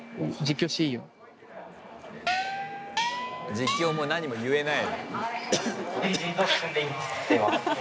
実況もなにも言えない。